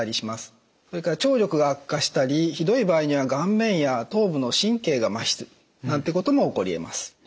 それから聴力が悪化したりひどい場合には顔面や頭部の神経がまひするなんてことも起こりえます。